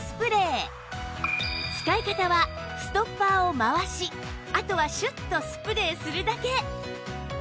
使い方はストッパーを回しあとはシュッとスプレーするだけ！